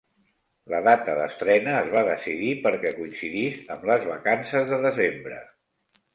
La data d'estrena es va decidir perquè coincidís amb les vacances de desembre.